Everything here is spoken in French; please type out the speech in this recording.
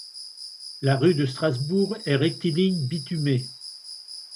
La rue de Strasbourg est rectiligne, bitumée.